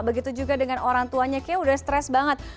begitu juga dengan orang tuanya kayaknya udah stres banget